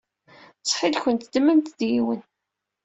Ttxil-kent ddmemt-d yiwen.